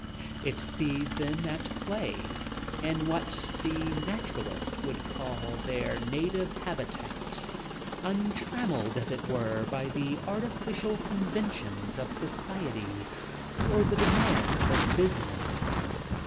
It sees them at play— in what the naturalist would call their native habit, untrammeled as it were by the artificial conventions of society or the demands of business.